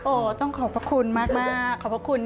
โอ้ต้องขอบคุณมากขอบคุณ